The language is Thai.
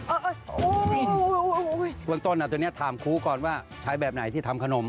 เบื้องต้นตัวนี้ถามครูก่อนว่าใช้แบบไหนที่ทำขนม